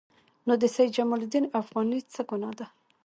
نو د سید جمال الدین افغاني څه ګناه ده.